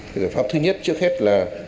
cái giải pháp thứ nhất trước hết là